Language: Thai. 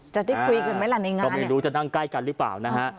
จะได้คุยกันไหมล่ะในงานก็ไม่รู้จะนั่งใกล้กันหรือเปล่านะฮะ